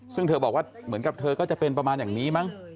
ซึ่งเธอบอกว่าเหมือนกับเธอก็จะเป็นประมาณอย่างนี้มั้ง